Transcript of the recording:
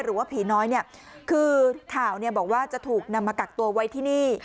หรือว่าผีน้อยเนี่ยคือข่าวเนี่ยบอกว่าจะถูกนำมากักตัวไว้ที่นี่